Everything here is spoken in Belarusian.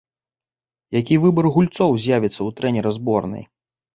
Які выбар гульцоў з'явіцца ў трэнера зборнай?